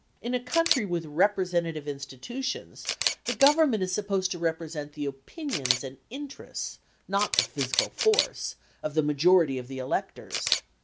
In a country with representative institutions the Government is supposed to represent the opinions and interests (not the physical force) of the majority of the electors.